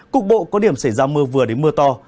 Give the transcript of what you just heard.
cục bộ có điểm xảy ra mưa vừa đến mưa to